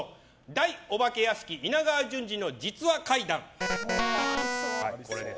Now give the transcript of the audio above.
「大幽霊屋敷稲川淳二の実話怪談」